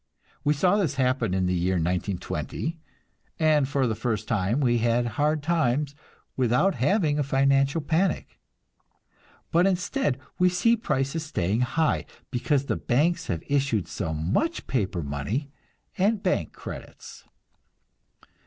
We saw this happen in the year 1920, and for the first time we had "hard times" without having a financial panic. But instead we see prices staying high because the banks have issued so much paper money and bank credits.